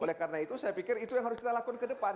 oleh karena itu saya pikir itu yang harus kita lakukan ke depan